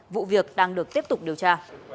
vụ việc đang được tiếp tục điều tra